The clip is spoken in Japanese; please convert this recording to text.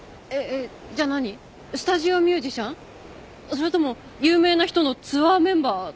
それとも有名な人のツアーメンバーとか？